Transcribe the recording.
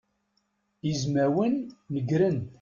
Izmawen negren.